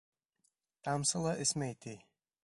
Тамсы ла эсмәй, ти.